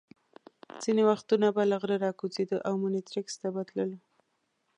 ځینې وختونه به له غره را کوزېدو او مونیټریکس ته به تللو.